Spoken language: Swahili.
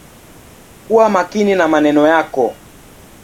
Kuwa makini na maneno yako.